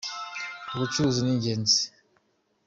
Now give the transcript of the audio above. Ubucuruzi ni ingenzi.